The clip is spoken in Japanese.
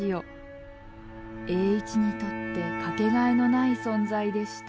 栄一にとって掛けがえのない存在でした。